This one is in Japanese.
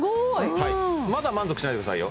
はいまだ満足しないでくださいよ